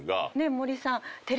森さん。